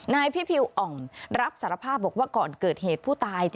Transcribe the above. นายพิพิวอ่องรับสารภาพบอกว่าก่อนเกิดเหตุผู้ตาย